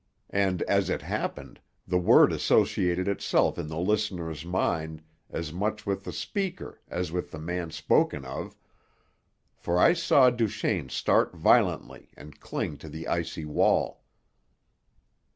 And, as it happened, the word associated itself in the listener's mind as much with the speaker as with the man spoken of, for I saw Duchaine start violently and cling to the icy wall.